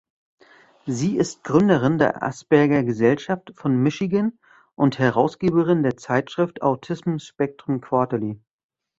Sie ist Gründerin der Asperger-Gesellschaft von Michigan und Herausgeberin der Zeitschrift "Autism Spectrum Quarterly".